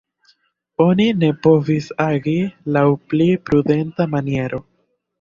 Oni ne povis agi laŭ pli prudenta maniero.